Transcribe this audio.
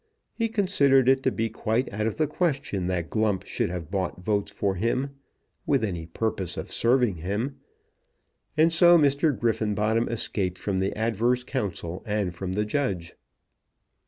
He considered it to be quite out of the question that Glump should have bought votes for him, with any purpose of serving him. And so Mr. Griffenbottom escaped from the adverse counsel and from the judge.